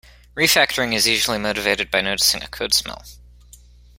Refactoring is usually motivated by noticing a code smell.